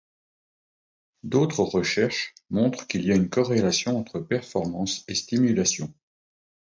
D’autres recherches montrent qu’il y a corrélation entre performance et stimulation.